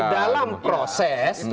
di dalam proses